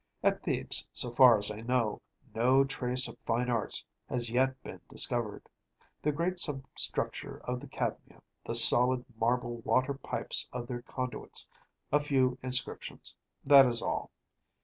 At Thebes, so far as I know, no trace of fine arts has yet been discovered. The great substructure of the Cadmea, the solid marble water pipes of their conduits, a few inscriptions‚ÄĒthat is all.